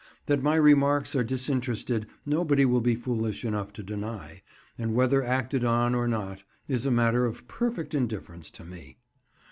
That my remarks are disinterested nobody will be foolish enough to deny, and whether acted on or not is a matter of perfect indifference to me.